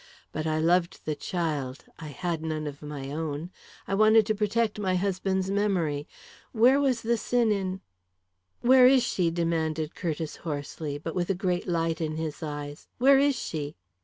But I loved the child I had none of my own I wanted to protect my husband's memory Where was the sin in " "Where is she?" demanded Curtiss hoarsely, but with a great light in his eyes. "Where is she?"